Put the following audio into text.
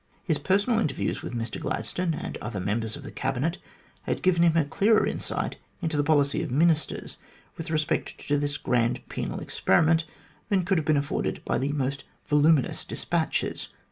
His personal inter views with Mr Gladstone and other Members of the Cabinet had given him a clearer insight into the policy of Ministers with respect to this grand penal experiment than could have been afforded by the most voluminous despatches.